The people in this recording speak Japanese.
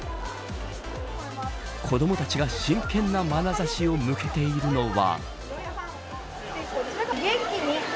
子どもたちが真剣なまなざしを向けているのは。